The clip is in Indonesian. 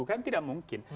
kan tidak mungkin